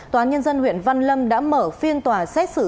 tòa nhân dân huyện văn lâm đã mở phiên tòa xét xử